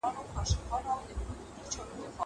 که ښځې په ټولنه کې ونډه ولري پرمختګ راځي.